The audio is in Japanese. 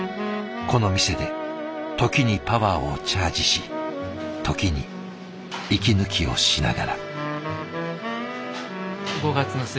この店で時にパワーをチャージし時に息抜きをしながら。